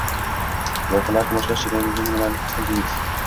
Loyihalarni boshlash jarayonida nimalarni his qildingiz?